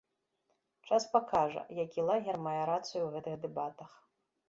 Час пакажа, які лагер мае рацыю ў гэтых дэбатах.